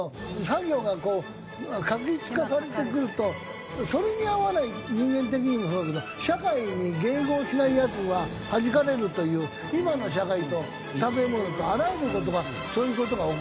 作業がこう画一化されてくるとそれに合わない人間的にもそうだけど社会に迎合しないやつははじかれるという今の社会と食べ物ってあらゆる事がそういう事が起こってるよね。